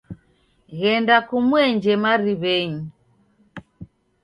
Ghenda kumuenje mariw'enyi.